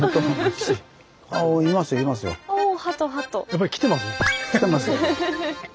やっぱり来てますね。